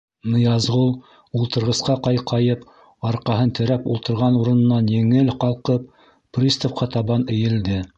Ныязғол ултырғысҡа ҡайҡайып, арҡаһын терәп ултырған урынынан еңел ҡалҡып, приставҡа табан эйелде.